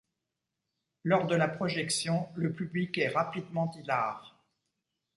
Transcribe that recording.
Lors de la projection, le public est rapidement hilare.